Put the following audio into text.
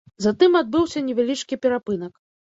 Затым адбыўся невялічкі перапынак.